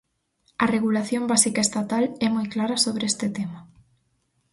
A regulación básica estatal é moi clara sobre este tema.